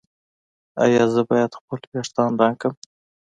ایا زه باید خپل ویښتان رنګ کړم؟